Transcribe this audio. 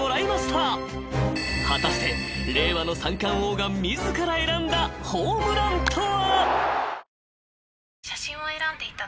［果たして令和の三冠王が自ら選んだホームランとは］